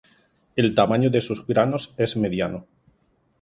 El tamaño de sus granos es mediano.